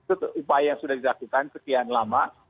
itu upaya yang sudah dilakukan sekian lama